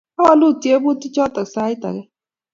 Awolu tyebutik choto sait ake